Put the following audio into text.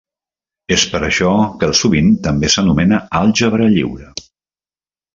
És per això que sovint també s'anomena àlgebra lliure.